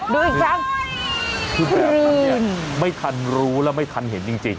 ดูอีกครั้งคือแบบนั้นเนี่ยไม่ทันรู้แล้วไม่ทันเห็นจริงจริง